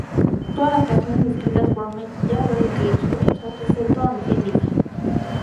Todas las canciones escritas por Mick Jagger y Keith Richards, excepto donde se indica.